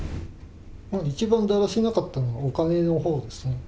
一番だらしなかったのは、お金のほうですね。